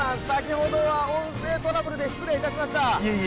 先ほどは音声トラブルで失礼いたしました。